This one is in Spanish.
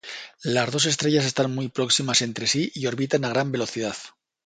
Las dos estrellas están muy próximas entre sí y orbitan a gran velocidad.